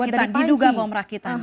bom rakitan diduga bom rakitan